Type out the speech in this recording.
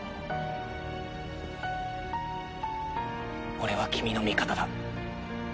俺は君の味方だ。